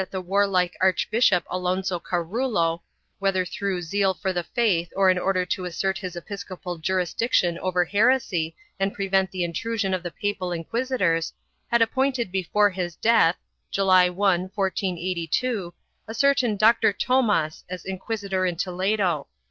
IV] CIUDAD REAL AND TOLEDO 167 rillo, whether through zeal for the faith or in order to assert his episcopal jurisdiction over heresy and prevent the intrusion of the papal inquisitors, had appointed before his death, July 1, 1482, a certain Doctor Thomas as inquisitor in Toledo.